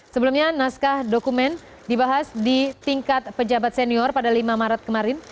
sebelumnya naskah dokumen dibahas di tingkat pejabat senior pada lima maret kemarin